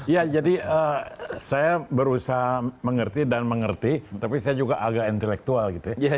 ya jadi saya berusaha mengerti dan mengerti tapi saya juga agak intelektual gitu ya